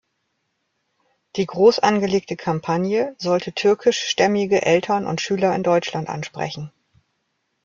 Die großangelegte Kampagne sollte türkischstämmige Eltern und Schüler in Deutschland ansprechen.